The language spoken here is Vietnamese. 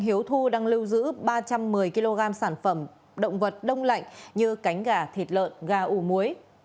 hiếu thu đang lưu giữ ba trăm một mươi kg sản phẩm động vật đông lạnh như cánh gà thịt lợn gà ủ muối